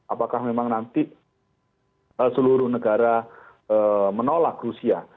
apakah memang nanti seluruh negara menolak rusia